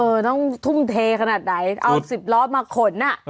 ต้องทุ่มเทขนาดไหนเอา๑๐ล้อมาขนอ่ะ